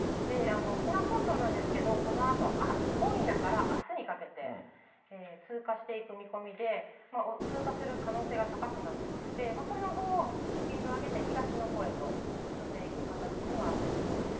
沖縄本島なんですけれども、このあと、今夜からあすにかけて通過していく見込みで、通過する可能性が高くなっていまして、その後、スピードを上げて東のほうへと進んでいく形にはなりそうです。